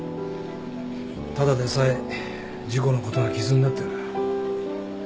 ただでさえ事故のことが傷になってる。